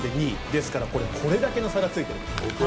ですからこれだけの差がついています。